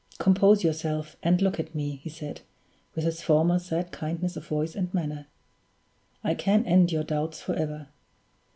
"Compose yourself, and look at me," he said, with his former sad kindness of voice and manner. "I can end your doubts forever.